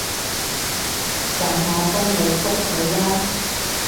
等我幫你覆佢啦